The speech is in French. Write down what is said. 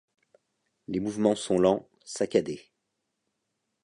Les mouvements sont lents, saccadés.